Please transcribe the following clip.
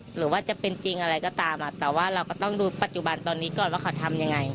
หรือว่าจะเป็นจริงอะไรก็ตามแต่ว่าเราก็ต้องดูปัจจุบันตอนนี้ก่อนว่าเขาทำยังไง